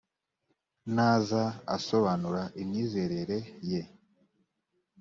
naza asobanura imyizerere ye.